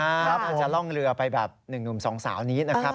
อาจจะล่องเรือไปแบบ๑หนุ่มสองสาวนี้นะครับ